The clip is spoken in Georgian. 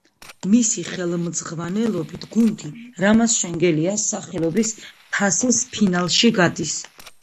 მისი ხელმძღვანელობით გუნდი რამაზ შენგელიას სახელობის თასის ფინალში გადის.